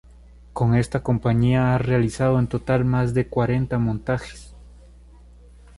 Con esta compañía ha realizado en total más de cuarenta montajes.